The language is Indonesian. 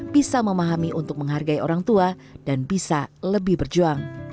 bisa memahami untuk menghargai orang tua dan bisa lebih berjuang